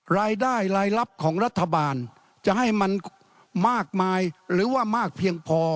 รายลับของรัฐบาลจะให้มันมากมายหรือว่ามากเพียงพอ